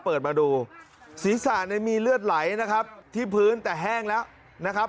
เปิดมาดูศีรษะเนี่ยมีเลือดไหลนะครับที่พื้นแต่แห้งแล้วนะครับ